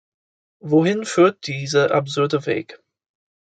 Wohin führt dieser absurde Weg?